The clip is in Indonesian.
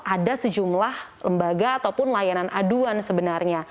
ada sejumlah lembaga ataupun layanan aduan sebenarnya